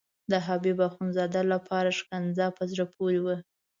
د حبیب اخندزاده لپاره ښکنځا په زړه پورې وه.